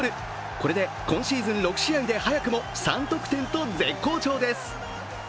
これで今シーズン６試合で早くも３得点と絶好調です。